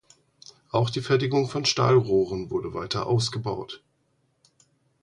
Auch die Fertigung von Stahlrohren wurde weiter ausgebaut.